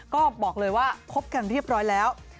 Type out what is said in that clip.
ก็บอกเลยว่าคบกันเรียบร้อยแล้ว